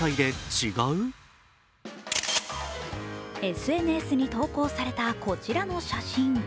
ＳＮＳに投稿されたこちらの写真。